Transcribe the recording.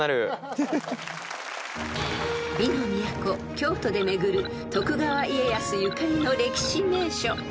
京都で巡る徳川家康ゆかりの歴史名所］